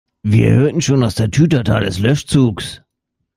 Wir hörten schon das Tatütata des Löschzugs.